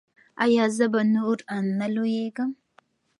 ایا زه به نور نه لویږم؟